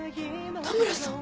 田村さん。